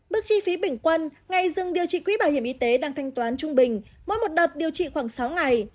mức chi phí bình quân ngày dừng điều trị quỹ bảo hiểm y tế đang thanh toán trung bình mỗi một đợt điều trị khoảng sáu ngày